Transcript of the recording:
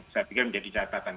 saya pikir menjadi catatan